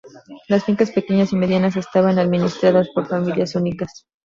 Las fincas pequeñas y medianas estaban administradas por familias únicas.